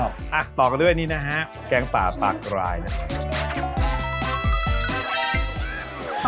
อ่ะต่อกันด้วยอันนี้นะฮะแกงป่าปากกรายนะครับ